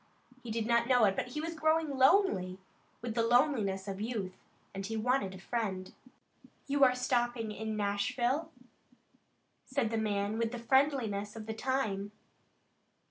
He did not know it, but he was growing lonely, with the loneliness of youth, and he wanted a friend. "You are stopping in Nashville?" said the man with the friendliness of the time.